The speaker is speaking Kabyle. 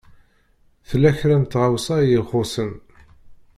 Tella kra n tɣawsa i ixuṣṣen.